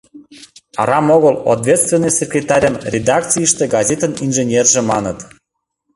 Арам огыл ответственный секретарьым редакцийыште газетын инженерже маныт.